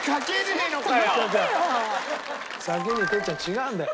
先に哲ちゃん違うんだよ。